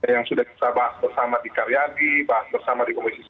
yang sudah kita bahas bersama di karyadi bahas bersama di komisi sepuluh